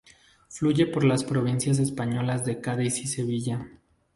Fluye por las provincias españolas de Cádiz y Sevilla.